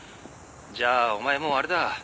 「じゃあお前もうあれだ」